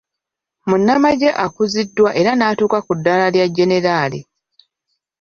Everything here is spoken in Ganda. Munnamagye akuziddwa n'atuuka ku daala lya generaali.